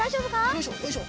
よいしょよいしょ。